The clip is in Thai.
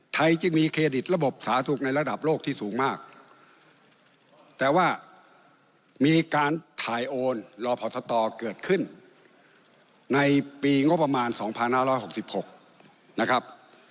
จึงมีเครดิตระบบสาธารณสุขในระดับโลกที่สูงมากแต่ว่ามีการถ่ายโอนรอพอทตเกิดขึ้นในปีงบประมาณ๒๕๖๖นะครับ